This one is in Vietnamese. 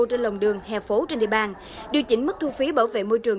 trên lòng đường hè phố trên địa bàn điều chỉnh mức thu phí bảo vệ môi trường